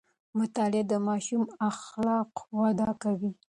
مطالعه د ماشوم د اخلاقو وده کوي.